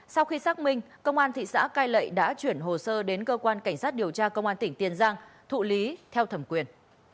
sau khi xác minh công an thị xã cai lệ đã chuyển hồ sơ đến cơ quan cảnh sát điều tra công an tỉnh tiền giang thụ lý theo thẩm quyền